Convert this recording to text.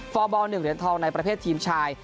ฟอร์บอล๑เหรียญทองในประเภททีมชาย